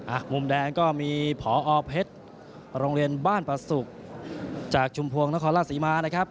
มุมแดงก็มีพอเพชรโรงเรียนบ้านประสุกจากชุมพวงนครราชศรีมานะครับ